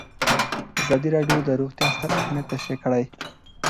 ازادي راډیو د روغتیا ستر اهميت تشریح کړی.